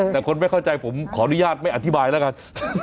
แต่คนไม่เข้าใจผมขออนุญาตไม่อธิบายแล้วกัน